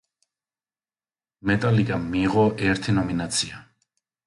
მეტალიკამ მიიღო ერთი ნომინაცია.